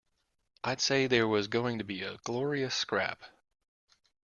I'd say there was going to be a glorious scrap.